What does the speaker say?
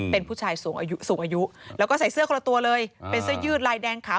เป็นผู้ชายสูงอายุสูงอายุแล้วก็ใส่เสื้อคนละตัวเลยเป็นเสื้อยืดลายแดงขาว